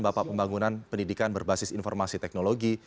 bapak pembangunan pendidikan berbasis informasi teknologi